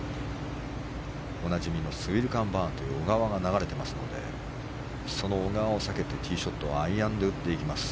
おなじみのスウィルカンバーンという小川が流れていますのでその小川を避けティーショットはアイアンで打っていきます。